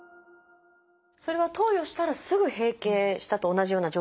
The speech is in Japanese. それは投与したらすぐ「閉経した」と同じような状態になるってことですか？